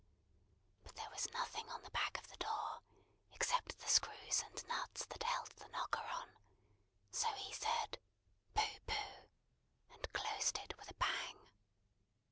But there was nothing on the back of the door, except the screws and nuts that held the knocker on, so he said "Pooh, pooh!" and closed it with a bang.